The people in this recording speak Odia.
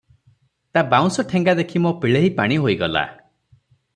ତା ବାଉଁଶଠେଙ୍ଗା ଦେଖି ମୋ ପିଳେହି ପାଣି ହୋଇଗଲା ।